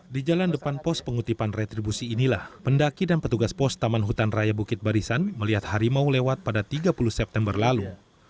di jalan depan pos pengutipan retribusi inilah pendaki dan petugas pos taman hutan raya bukit barisan melihat harimau lewat pada tiga puluh september lalu